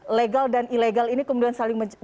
ketika ilegal dan ilegal ini kemudian saling berkaitan